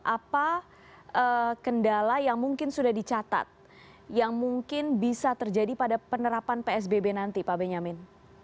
apa kendala yang mungkin sudah dicatat yang mungkin bisa terjadi pada penerapan psbb nanti pak benyamin